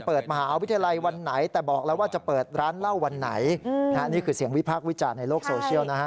เปิดมหาวิทยาลัยวันไหนแต่บอกแล้วว่าจะเปิดร้านเหล้าวันไหนนี่คือเสียงวิพากษ์วิจารณ์ในโลกโซเชียลนะฮะ